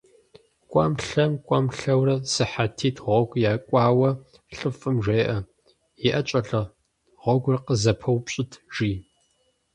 КӀуэм-лъэм, кӀуэм-лъэурэ, сыхьэтитӀ гъуэгу якӀуауэ, лӀыфӀым жеӀэ: - ИӀэт, щӀалэ, гъуэгур къызэпыупщӀыт!- жи.